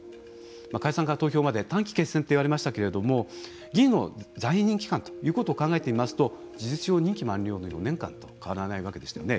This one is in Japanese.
解散から投票まで短期決戦と言われましたけれども議員の在任期間ということを考えてみますと事実上、任期満了の４年間と変わらないわけでしたよね。